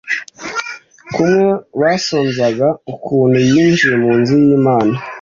Kumwe basonzaga ukuntu yinjiye mu nzu y imana